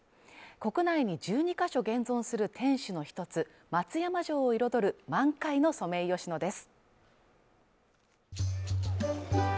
国内２２ヶ所現存する天守の一つ松山城を彩る満開のソメイヨシノです。